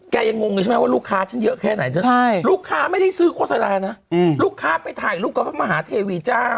ยังงงเลยใช่ไหมว่าลูกค้าฉันเยอะแค่ไหนลูกค้าไม่ได้ซื้อโฆษณานะลูกค้าไปถ่ายรูปกับพระมหาเทวีเจ้า